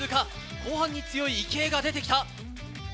後半に強い池江が出てきた！